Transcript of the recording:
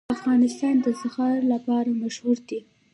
افغانستان د زغال لپاره مشهور دی.